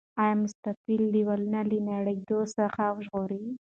آیا مستطیل دیوالونه له نړیدو څخه ژغوري؟